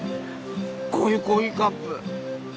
こういうコーヒーカップ。